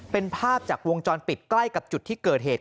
เป็นภาพจากวงจรปิดใกล้กับจุดที่เกิดเหตุ